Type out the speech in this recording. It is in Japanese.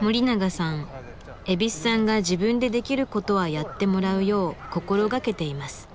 森永さん蛭子さんが自分でできることはやってもらうよう心掛けています。